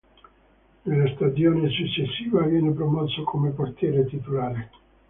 Nella stagione successiva viene promosso come portiere titolare.